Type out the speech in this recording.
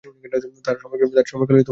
তার সময়কালে কোন পদবি ছিলো না।